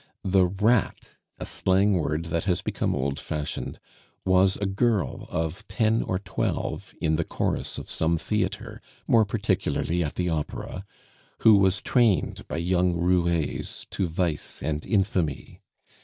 The "rat" a slang word that has become old fashioned was a girl of ten or twelve in the chorus of some theatre, more particularly at the opera, who was trained by young roues to vice and infamy.